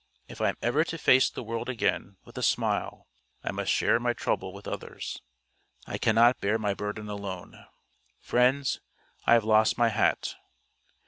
If I am ever to face the world again with a smile I must share my trouble with others. I cannot bear my burden alone. Friends, I have lost my hat.